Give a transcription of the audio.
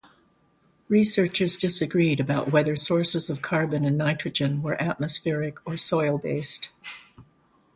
Researchers disagreed about whether sources of carbon and nitrogen were atmospheric or soil-based.